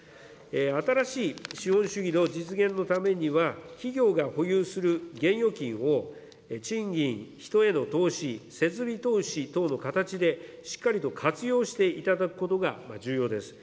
新しい資本主義の実現のためには、企業が保有する現預金を、賃金、人への投資、設備投資等の形で、しっかりと活用していただくことが重要です。